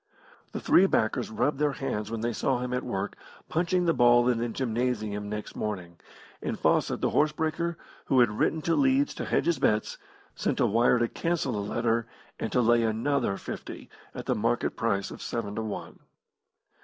The three backers rubbed their hands when they saw him at work punching the ball in the gymnasium next morning; and Fawcett, the horse breaker, who had written to Leeds to hedge his bets, sent a wire to cancel the letter, and to lay another fifty at the market price of seven to one.